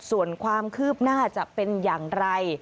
ส่วนความคืบหน้าจะเป็นอย่างไร